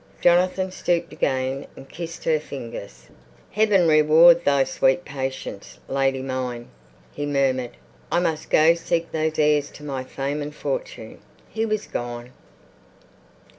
Jonathan stooped again and kissed her fingers. "Heaven reward thy sweet patience, lady mine," he murmured. "I must go seek those heirs to my fame and fortune...." He was gone.